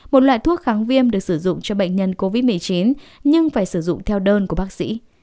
một loại thuốc kháng viêm được sử dụng cho bệnh nhân covid một mươi chín nhưng phải sử dụng theo đơn của bác sĩ